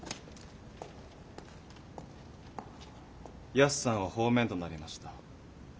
ヤスさんは放免となりました。